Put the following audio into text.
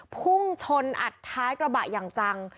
พุ่งชนอัดท้ายกระบะอย่างจัง